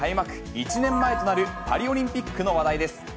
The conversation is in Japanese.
１年前となるパリオリンピックの話題です。